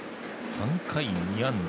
３回、２安打。